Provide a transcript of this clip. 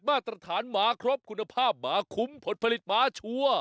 มาตรฐานหมาครบคุณภาพหมาคุ้มผลผลิตหมาชัวร์